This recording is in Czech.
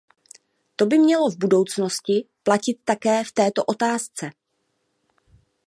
To by mělo v budoucnosti platit také v této otázce.